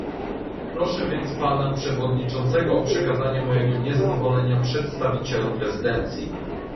Proszę więc pana przewodniczącego o przekazanie mojego niezadowolenia przedstawicielom prezydencji